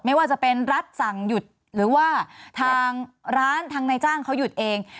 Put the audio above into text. ไม่ว่าจะเป็นรัฐสั่งหยุดหรือว่าทางร้านทางนายจ้างเขาหยุดเอง